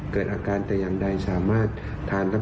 เกิดอาการแต่อย่างใดสามารถทานรับ